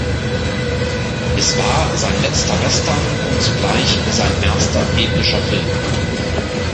Es war sein letzter Western und zugleich sein erster epischer Film.